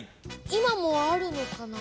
今もあるのかな？